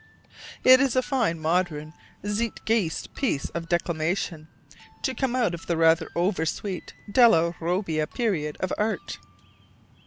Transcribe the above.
It is a fine modern zeit geist piece of declamation to come out of the rather over sweet della Robbia period of art.